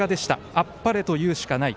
あっぱれと言うしかない。